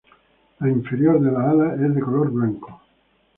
La inferior de las alas es de color blanco.